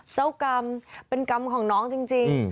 เจ้ากรรมเป็นกรรมของน้องจริง